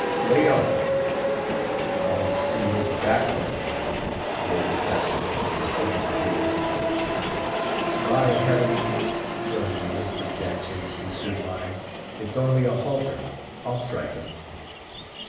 "Lay on! I'll see his backbone!" roared the Captain in a sudden fury. "By Heaven!" thrillingly whispered Jack Chase, who stood by, "it's only a halter; I'll strike him!"